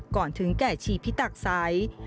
ก่อนถึงแก่ชีพิตักไซค์